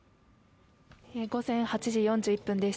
午前８時４１分です。